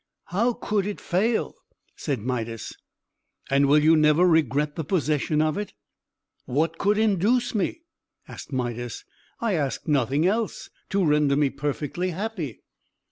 "How could it fail?" said Midas. "And will you never regret the possession of it?" "What could induce me?" asked Midas. "I ask nothing else, to render me perfectly happy."